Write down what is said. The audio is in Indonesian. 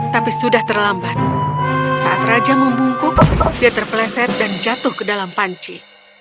tapi sudah terlambat saat raja membungkuk dia terpeleset dan jatuh ke dalam panci